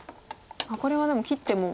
これはでも切っても。